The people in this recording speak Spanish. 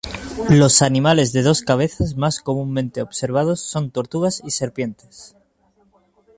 Los animales de dos cabezas más comúnmente observados son tortugas y serpientes.